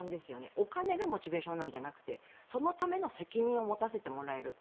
お金がモチベーションなんじゃなくてそのための責任を持たせてもらえるって。